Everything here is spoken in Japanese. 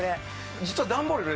実は段ボール。